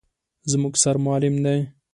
_زموږ سر معلم دی.